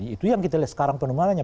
itu yang kita lihat sekarang penularannya